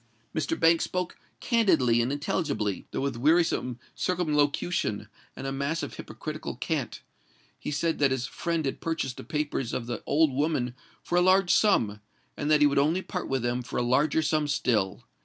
Mr. Banks spoke candidly and intelligibly—though with wearisome circumlocution and a mass of hypocritical cant. He said that his friend had purchased the papers of the old woman for a large sum; and that he would only part with them for a larger sum still.